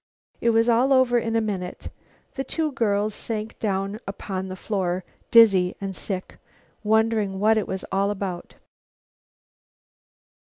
It was all over in a minute. Then the two girls sank down upon the floor, dizzy and sick, wondering what it was all about.